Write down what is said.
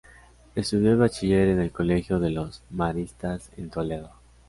Estudió el bachiller en el colegio de los Maristas en Toledo.